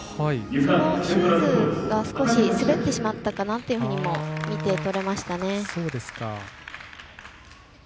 そのシューズが少し滑ってしまったかなというふうにも見て取れましたね。